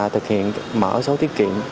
thực hiện mở số tiết kiệm